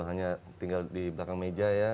hanya tinggal di belakang meja ya